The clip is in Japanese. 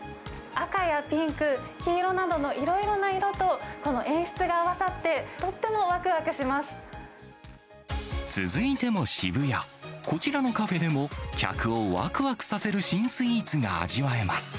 赤やピンク、黄色などのいろいろな色と、この演出が合わさって、とっても続いても渋谷、こちらのカフェでも、客をわくわくさせる新スイーツが味わえます。